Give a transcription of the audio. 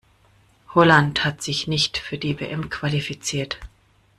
Holland hat sich nicht für die WM qualifiziert.